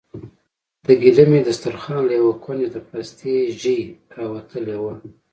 د ګيلمي دسترخوان له يوه کونجه د پاستي ژۍ راوتلې وه.